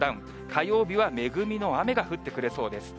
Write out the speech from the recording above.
火曜日は恵みの雨が降ってくれそうです。